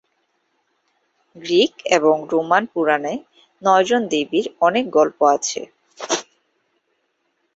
Greek এবং Roman পুরাণে নয়জন দেবীর অনেক গল্প আছে।